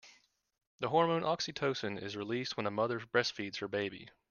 The hormone oxytocin is released when a mother breastfeeds her baby.